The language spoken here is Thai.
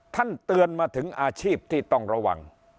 ท่านเตือนมาถึงอาชีพที่ต้องระวัง